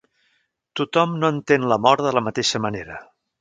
Tothom no entén la mort de la mateixa manera.